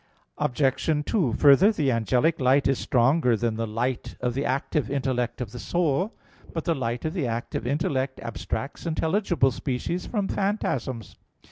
Obj. 2: Further, the angelic light is stronger than the light of the active intellect of the soul. But the light of the active intellect abstracts intelligible species from phantasms.